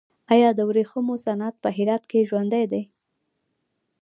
آیا د ورېښمو صنعت په هرات کې ژوندی دی؟